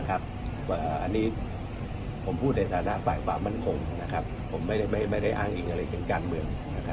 อันนี้ผมพูดในฐานะฝ่ายความมั่นคงผมไม่ได้อ้างอิงอะไรถึงการเมือง